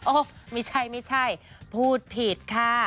โอ้ไม่ใช่พูดผิดค่ะ